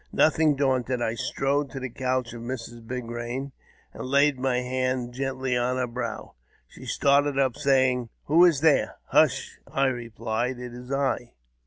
Nothing daunted, I strode to the couch of Mrs. Big Hain, and laid my hand gently on her brow. She started up, saying, " Who is here ?" "Hush! "I replied; "it is I."